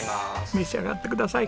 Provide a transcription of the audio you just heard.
召し上がってください。